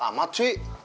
galak amat sih